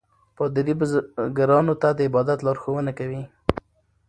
پادري بزګرانو ته د عبادت لارښوونه کوي.